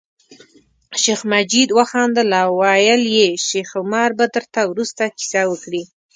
شیخ مجید وخندل او ویل یې شیخ عمر به درته وروسته کیسه وکړي.